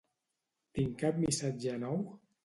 Tinc cap missatge nou?